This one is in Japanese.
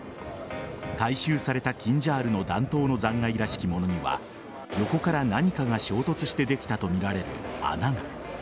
回収されたキンジャールの弾頭の残骸らしきものには横から何かが衝突してできたとみられる穴が。